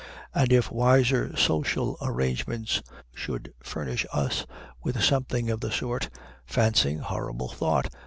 And if wiser social arrangements should furnish us with something of the sort, fancy (horrible thought!)